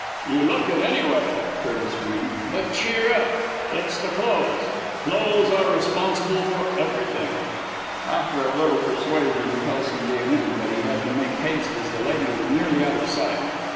"You look it, anyway," Curtis grinned. "But cheer up it's the clothes. Clothes are responsible for everything!" After a little persuasion Kelson gave in, but he had to make haste as the lady was nearly out of sight.